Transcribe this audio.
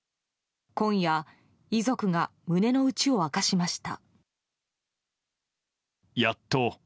今夜、遺族が胸の内を明かしました。